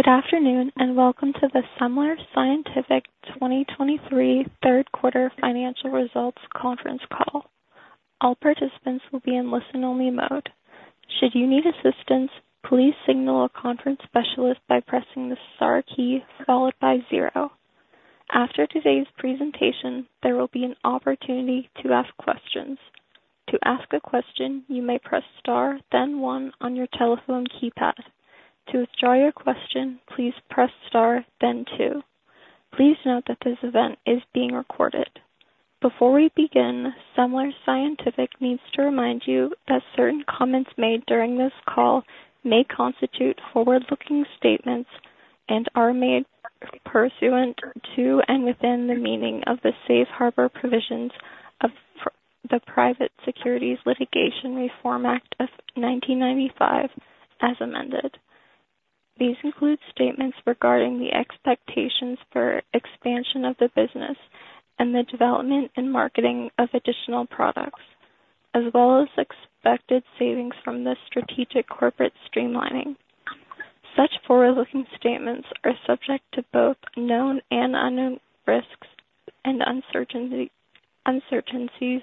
Good afternoon, and welcome to the Semler Scientific 2023 third quarter financial results conference call. All participants will be in listen-only mode. Should you need assistance, please signal a conference specialist by pressing the star key followed by zero. After today's presentation, there will be an opportunity to ask questions. To ask a question, you may press star then one on your telephone keypad. To withdraw your question, please press star then two. Please note that this event is being recorded. Before we begin, Semler Scientific needs to remind you that certain comments made during this call may constitute forward-looking statements and are made pursuant to and within the meaning of the Safe Harbor provisions of the Private Securities Litigation Reform Act of 1995, as amended. These include statements regarding the expectations for expansion of the business and the development and marketing of additional products, as well as expected savings from the strategic corporate streamlining. Such forward-looking statements are subject to both known and unknown risks and uncertainty, uncertainties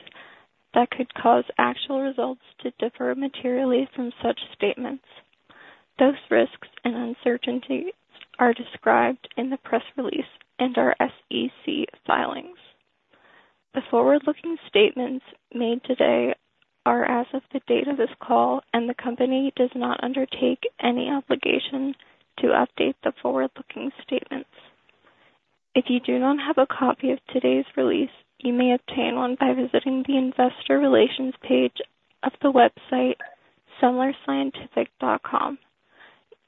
that could cause actual results to differ materially from such statements. Those risks and uncertainties are described in the press release and our SEC filings. The forward-looking statements made today are as of the date of this call, and the company does not undertake any obligation to update the forward-looking statements. If you do not have a copy of today's release, you may obtain one by visiting the investor relations page of the website, semlerscientific.com.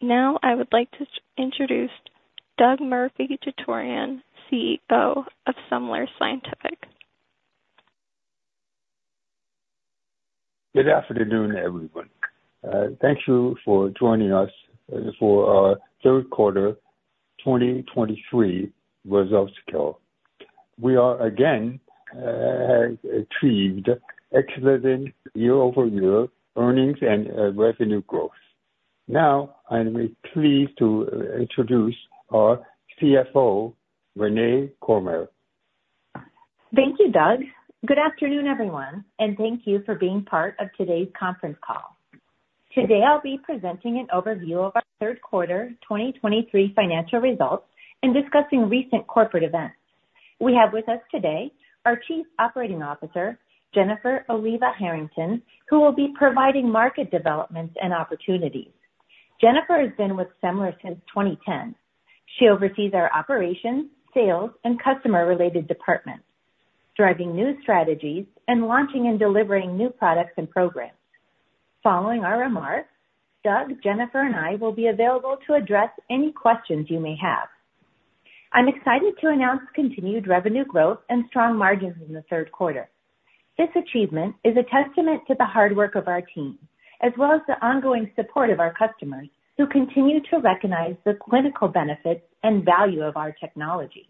Now, I would like to introduce Doug Murphy-Chutorian, Chairman, CEO of Semler Scientific. Good afternoon, everyone. Thank you for joining us for our third quarter 2023 results call. We are again, achieved excellent year-over-year earnings and, revenue growth. Now, I'm pleased to introduce our CFO, Renae Cormier. Thank you, Doug. Good afternoon, everyone, and thank you for being part of today's conference call. Today, I'll be presenting an overview of our third quarter 2023 financial results and discussing recent corporate events. We have with us today our Chief Operating Officer, Jennifer Oliva Herrington, who will be providing market developments and opportunities. Jennifer has been with Semler since 2010. She oversees our operations, sales, and customer-related departments, driving new strategies and launching and delivering new products and programs. Following our remarks, Doug, Jennifer, and I will be available to address any questions you may have. I'm excited to announce continued revenue growth and strong margins in the third quarter. This achievement is a testament to the hard work of our team, as well as the ongoing support of our customers, who continue to recognize the clinical benefits and value of our technology.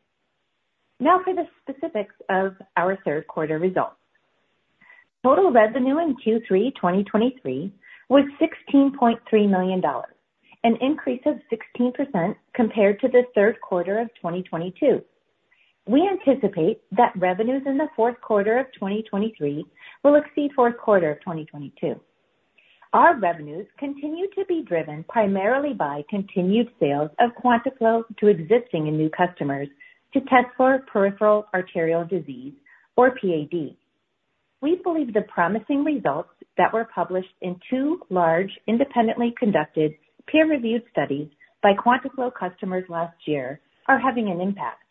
Now for the specifics of our third quarter results. Total revenue in Q3 2023 was $16.3 million, an increase of 16% compared to the third quarter of 2022. We anticipate that revenues in the fourth quarter of 2023 will exceed fourth quarter of 2022. Our revenues continue to be driven primarily by continued sales of QuantaFlo to existing and new customers to test for peripheral arterial disease or PAD. We believe the promising results that were published in two large, independently conducted, peer-reviewed studies by QuantaFlo customers last year are having an impact.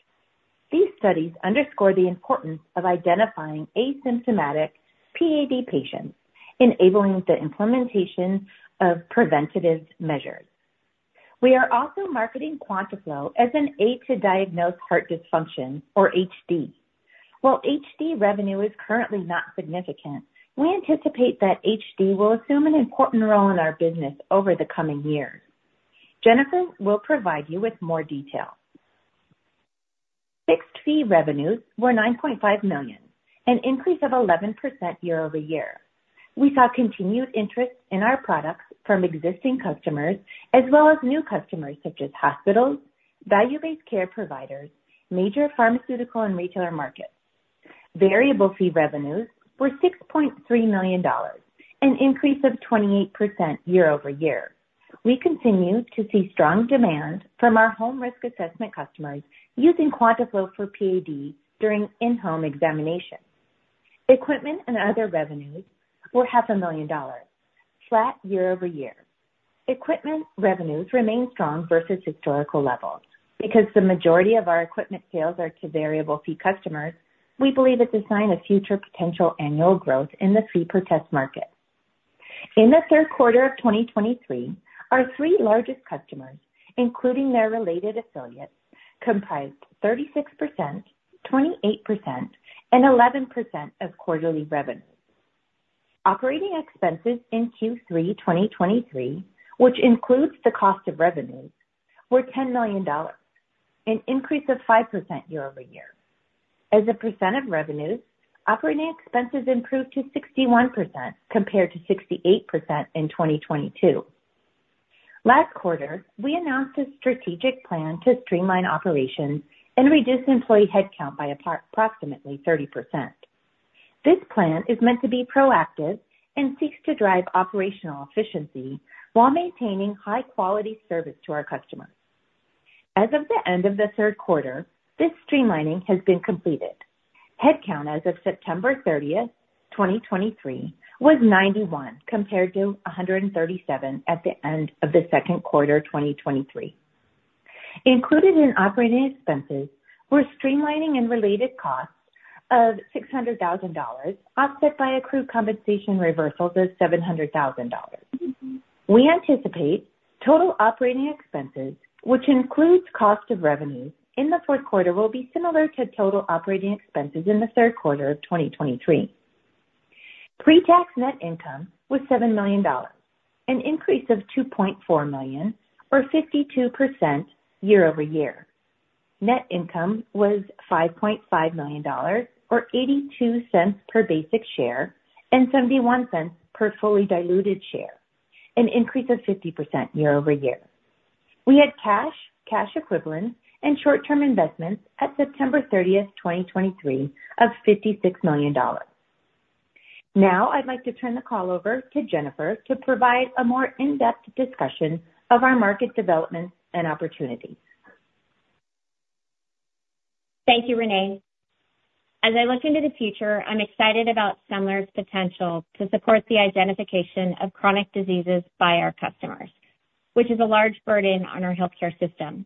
These studies underscore the importance of identifying asymptomatic PAD patients, enabling the implementation of preventative measures. We are also marketing QuantaFlo as an aid to diagnose heart dysfunction, or HD. While HD revenue is currently not significant, we anticipate that HD will assume an important role in our business over the coming years. Jennifer will provide you with more detail. Fixed fee revenues were $9.5 million, an increase of 11% year-over-year. We saw continued interest in our products from existing customers as well as new customers, such as hospitals, value-based care providers, major pharmaceutical and retailer markets. Variable fee revenues were $6.3 million, an increase of 28% year-over-year. We continue to see strong demand from our home risk assessment customers using QuantaFlo for PAD during in-home examinations. Equipment and other revenues were $500,000, flat year-over-year. Equipment revenues remain strong versus historical levels. Because the majority of our equipment sales are to variable fee customers, we believe it's a sign of future potential annual growth in the fee per test market. In the third quarter of 2023, our three largest customers, including their related affiliates, comprised 36%, 28%, and 11% of quarterly revenues. Operating expenses in Q3 2023, which includes the cost of revenues, were $10 million, an increase of 5% year-over-year. As a percent of revenues, operating expenses improved to 61% compared to 68% in 2022. Last quarter, we announced a strategic plan to streamline operations and reduce employee headcount by approximately 30%. This plan is meant to be proactive and seeks to drive operational efficiency while maintaining high quality service to our customers. As of the end of the third quarter, this streamlining has been completed. Headcount as of September 30, 2023, was 91, compared to 137 at the end of the second quarter, 2023. Included in operating expenses were streamlining and related costs of $600,000, offset by accrued compensation reversals of $700,000. We anticipate total operating expenses, which includes cost of revenue in the fourth quarter, will be similar to total operating expenses in the third quarter of 2023. Pre-tax net income was $7 million, an increase of $2.4 million, or 52% year-over-year. Net income was $5.5 million, or $0.82 per basic share and $0.71 per fully diluted share, an increase of 50% year-over-year. We had cash, cash equivalents, and short-term investments at September 30, 2023, of $56 million. Now, I'd like to turn the call over to Jennifer to provide a more in-depth discussion of our market developments and opportunities. Thank you, Renae. As I look into the future, I'm excited about Semler's potential to support the identification of chronic diseases by our customers, which is a large burden on our healthcare system.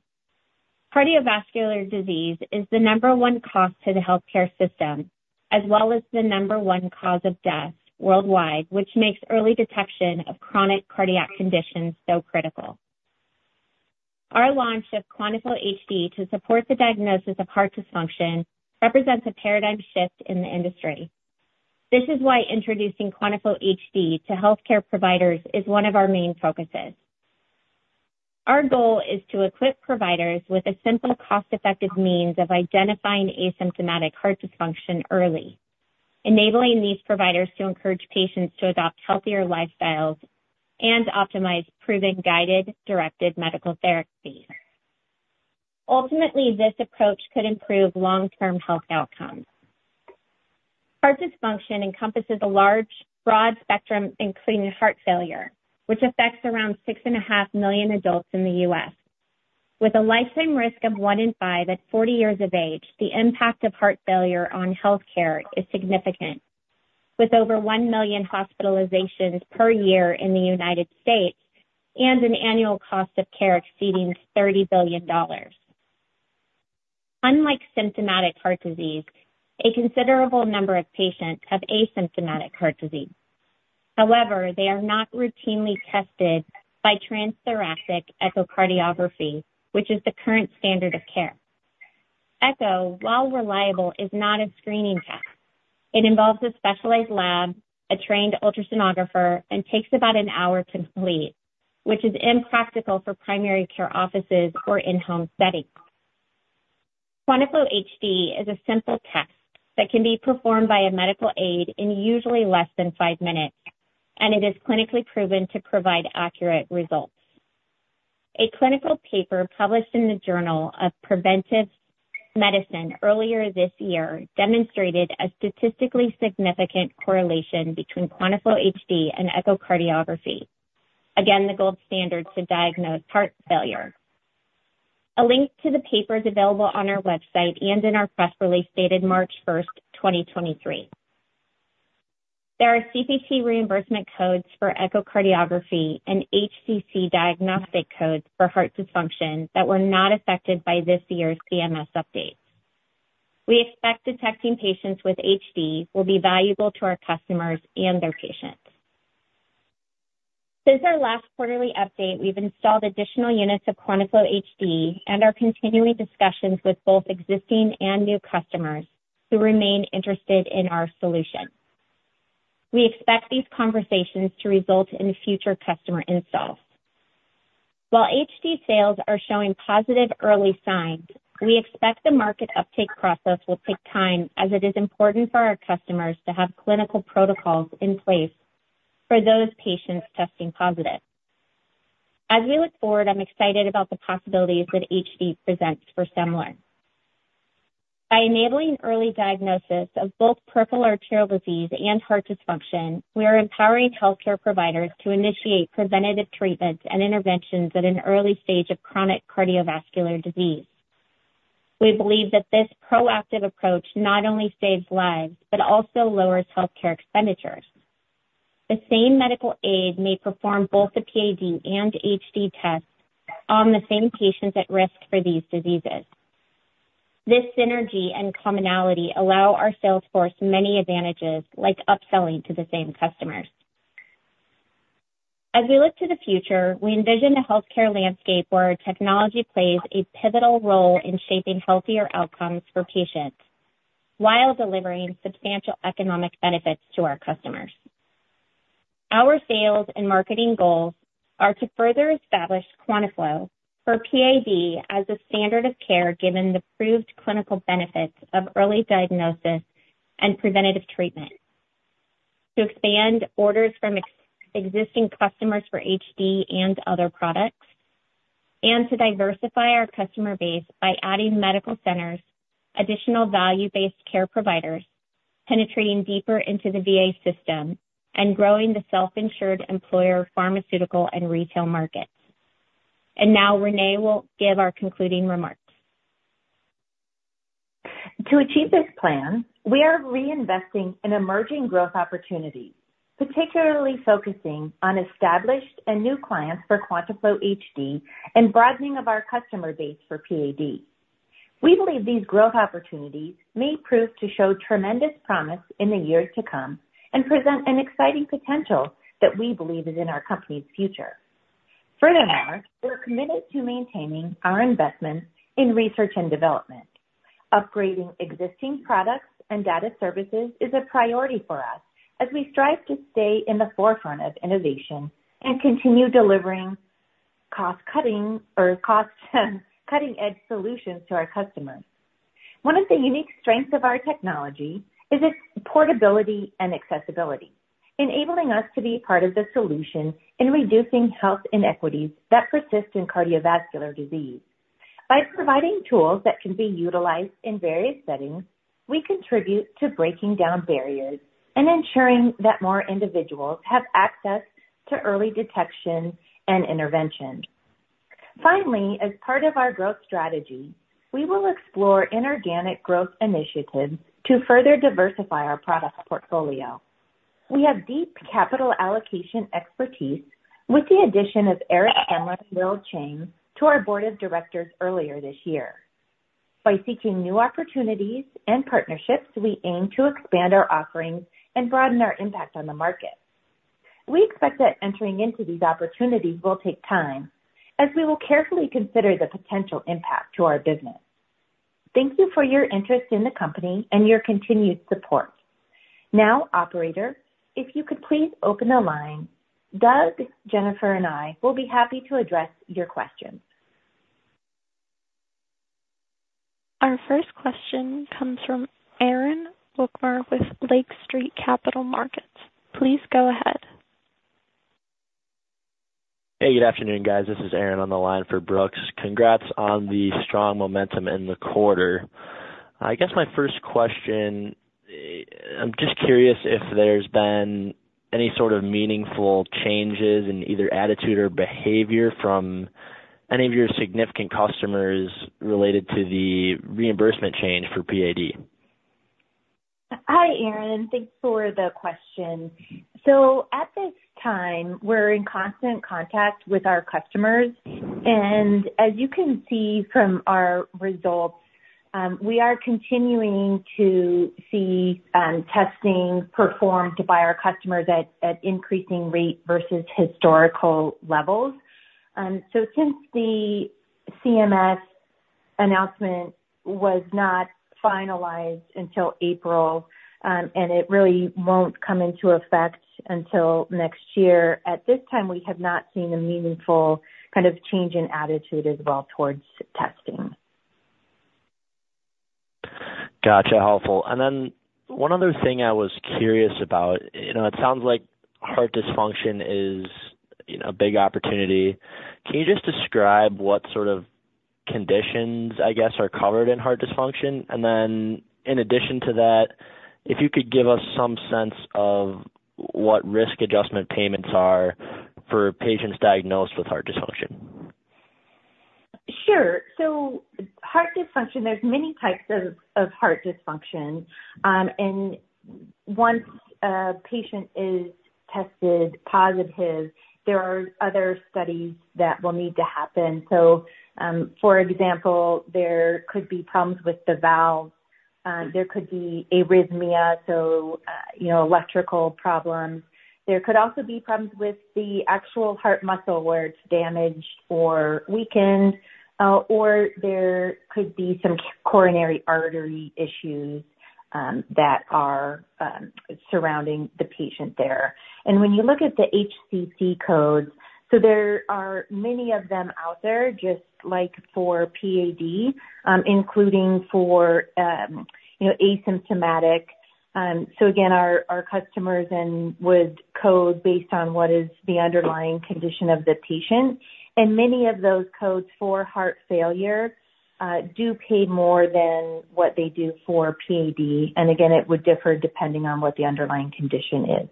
Cardiovascular disease is the number one cause to the healthcare system as well as the number one cause of death worldwide, which makes early detection of chronic cardiac conditions so critical. Our launch of QuantaFlo HD to support the diagnosis of heart dysfunction represents a paradigm shift in the industry. This is why introducing QuantaFlo HD to healthcare providers is one of our main focuses. Our goal is to equip providers with a simple, cost-effective means of identifying asymptomatic heart dysfunction early, enabling these providers to encourage patients to adopt healthier lifestyles and optimize proven guideline-directed medical therapies. Ultimately, this approach could improve long-term health outcomes. Heart dysfunction encompasses a large, broad spectrum, including heart failure, which affects around 6.5 million adults in the U.S. With a lifetime risk of 1 in 5 at 40 years of age, the impact of heart failure on healthcare is significant, with over 1 million hospitalizations per year in the United States and an annual cost of care exceeding $30 billion. Unlike symptomatic heart disease, a considerable number of patients have asymptomatic heart disease. However, they are not routinely tested by transthoracic echocardiography, which is the current standard of care. Echo, while reliable, is not a screening test. It involves a specialized lab, a trained ultrasonographer, and takes about an hour to complete, which is impractical for primary care offices or in-home settings. QuantaFlo HD is a simple test that can be performed by a medical aide in usually less than five minutes, and it is clinically proven to provide accurate results. A clinical paper published in the Journal of Preventive Medicine earlier this year demonstrated a statistically significant correlation between QuantaFlo HD and echocardiography. Again, the gold standard to diagnose heart failure. A link to the paper is available on our website and in our press release dated March 1, 2023. There are CPT reimbursement codes for echocardiography and HCC diagnostic codes for heart dysfunction that were not affected by this year's CMS updates. We expect detecting patients with HD will be valuable to our customers and their patients. Since our last quarterly update, we've installed additional units of QuantaFlo HD and are continuing discussions with both existing and new customers who remain interested in our solution. We expect these conversations to result in future customer installs. While HD sales are showing positive early signs, we expect the market uptake process will take time, as it is important for our customers to have clinical protocols in place for those patients testing positive. As we look forward, I'm excited about the possibilities that HD presents for Semler. By enabling early diagnosis of both peripheral arterial disease and heart dysfunction, we are empowering healthcare providers to initiate preventative treatments and interventions at an early stage of chronic cardiovascular disease. We believe that this proactive approach not only saves lives, but also lowers healthcare expenditures. The same medical aide may perform both the PAD and HD tests on the same patients at risk for these diseases. This synergy and commonality allow our sales force many advantages, like upselling to the same customers. As we look to the future, we envision a healthcare landscape where technology plays a pivotal role in shaping healthier outcomes for patients while delivering substantial economic benefits to our customers. Our sales and marketing goals are to further establish QuantaFlo for PAD as a standard of care, given the proved clinical benefits of early diagnosis and preventative treatment, to expand orders from existing customers for HD and other products, and to diversify our customer base by adding medical centers, additional value-based care providers, penetrating deeper into the VA system and growing the self-insured employer, pharmaceutical and retail markets. And now Renae will give our concluding remarks. To achieve this plan, we are reinvesting in emerging growth opportunities, particularly focusing on established and new clients for QuantaFlo HD and broadening of our customer base for PAD. We believe these growth opportunities may prove to show tremendous promise in the years to come and present an exciting potential that we believe is in our company's future. Furthermore, we're committed to maintaining our investment in research and development. Upgrading existing products and data services is a priority for us as we strive to stay in the forefront of innovation and continue delivering cost-cutting or cost, cutting-edge solutions to our customers. One of the unique strengths of our technology is its portability and accessibility, enabling us to be part of the solution in reducing health inequities that persist in cardiovascular disease. By providing tools that can be utilized in various settings, we contribute to breaking down barriers and ensuring that more individuals have access to early detection and intervention. Finally, as part of our growth strategy, we will explore inorganic growth initiatives to further diversify our product portfolio. We have deep capital allocation expertise with the addition of Eric Semler and William Chang to our board of directors earlier this year. By seeking new opportunities and partnerships, we aim to expand our offerings and broaden our impact on the market. We expect that entering into these opportunities will take time, as we will carefully consider the potential impact to our business. Thank you for your interest in the company and your continued support. Now, operator, if you could please open the line. Doug, Jennifer, and I will be happy to address your questions. Our first question comes from Aaron Wukmir with Lake Street Capital Markets. Please go ahead. Hey, good afternoon, guys. This is Aaron on the line for Brooks. Congrats on the strong momentum in the quarter. I guess my first question, I'm just curious if there's been any sort of meaningful changes in either attitude or behavior from any of your significant customers related to the reimbursement change for PAD? Hi, Aaron. Thanks for the question. So at this time, we're in constant contact with our customers, and as you can see from our results, we are continuing to see testing performed by our customers at increasing rate versus historical levels. So since the CMS announcement was not finalized until April, and it really won't come into effect until next year, at this time, we have not seen a meaningful kind of change in attitude as well towards testing. Gotcha. Helpful. And then one other thing I was curious about, you know, it sounds like heart dysfunction is, you know, a big opportunity. Can you just describe what sort of conditions, I guess, are covered in heart dysfunction? And then in addition to that, if you could give us some sense of what risk adjustment payments are for patients diagnosed with heart dysfunction? Sure. So heart dysfunction, there's many types of heart dysfunction. And once a patient is tested positive, there are other studies that will need to happen. So, for example, there could be problems with the valves, there could be arrhythmia, so, you know, electrical problems. There could also be problems with the actual heart muscle, where it's damaged or weakened, or there could be some coronary artery issues that are surrounding the patient there. And when you look at the HCC codes, so there are many of them out there, just like for PAD, including for, you know, asymptomatic. So again, our customers would code based on what is the underlying condition of the patient. And many of those codes for heart failure do pay more than what they do for PAD.And again, it would differ depending on what the underlying condition is.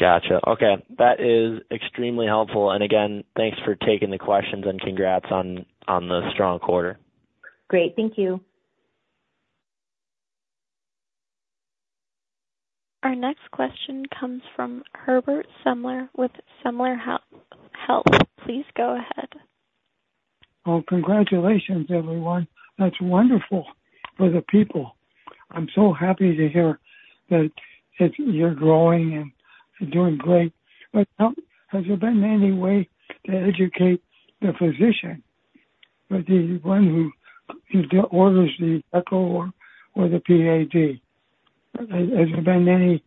Gotcha. Okay. That is extremely helpful. And again, thanks for taking the questions and congrats on the strong quarter. Great. Thank you. Our next question comes from Herbert Semler with Semler Scientific. Please go ahead. Well, congratulations, everyone. That's wonderful for the people. I'm so happy to hear that, that you're growing and doing great. But, has there been any way to educate the physician? But the one who orders the echo or the PAD. Has there been any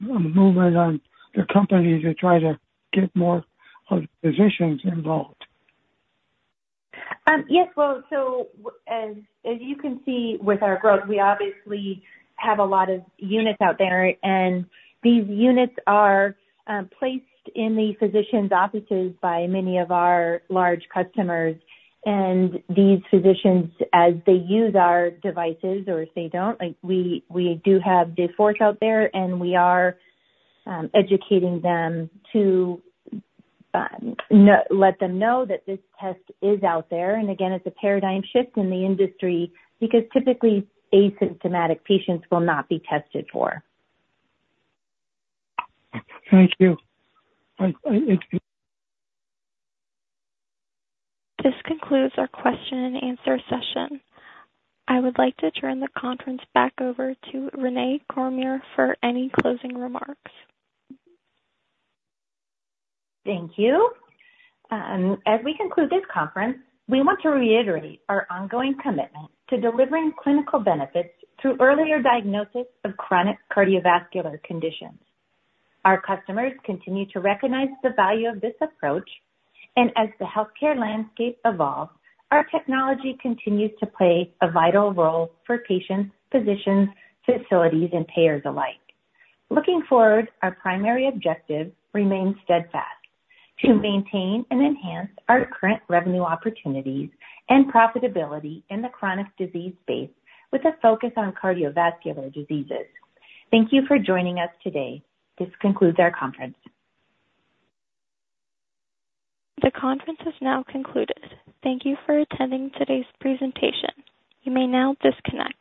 movement on the company to try to get more of the physicians involved? Yes. Well, so as you can see with our growth, we obviously have a lot of units out there, and these units are placed in the physicians' offices by many of our large customers. And these physicians, as they use our devices or if they don't, like, we, we do have Bigfoot out there, and we are educating them to let them know that this test is out there. And again, it's a paradigm shift in the industry because typically asymptomatic patients will not be tested for. Thank you. I thank you. This concludes our question and answer session. I would like to turn the conference back over to Renae Cormier for any closing remarks. Thank you. As we conclude this conference, we want to reiterate our ongoing commitment to delivering clinical benefits through earlier diagnosis of chronic cardiovascular conditions. Our customers continue to recognize the value of this approach, and as the healthcare landscape evolves, our technology continues to play a vital role for patients, physicians, facilities, and payers alike. Looking forward, our primary objective remains steadfast: to maintain and enhance our current revenue opportunities and profitability in the chronic disease space, with a focus on cardiovascular diseases. Thank you for joining us today. This concludes our conference. The conference has now concluded. Thank you for attending today's presentation. You may now disconnect.